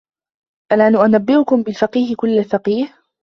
أَلَا أُنَبِّئُكُمْ بِالْفَقِيهِ كُلِّ الْفَقِيهِ